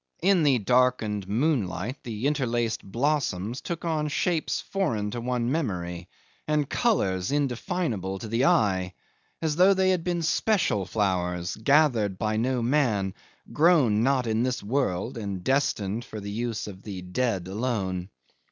In the darkened moonlight the interlaced blossoms took on shapes foreign to one's memory and colours indefinable to the eye, as though they had been special flowers gathered by no man, grown not in this world, and destined for the use of the dead alone.